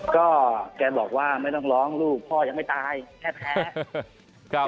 ก็แกบอกว่าไม่ต้องร้องลูกพ่อยังไม่ตายแท้